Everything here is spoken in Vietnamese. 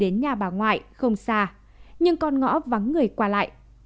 đến nhà bà ngoại không xa nhưng con ngõ vắng người qua lại